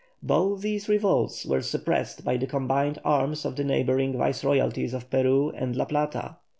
Both these revolts were suppressed by the combined arms of the neighbouring Viceroyalties of Peru and La Plata.